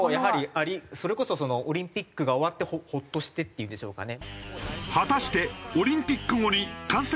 それこそオリンピックが終わってホッとしてっていうんでしょうかね。